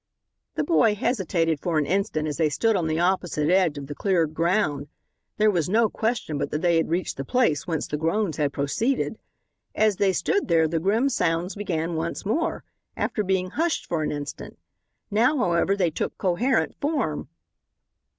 The boy hesitated for an instant as they stood on the opposite edge of the cleared ground. There was no question but that they had reached the place whence the groans had proceeded. As they stood there the grim sounds began once more, after being hushed for an instant. Now, however, they took coherent form.